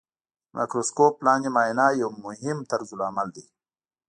د مایکروسکوپ لاندې معاینه یو مهم طرزالعمل دی.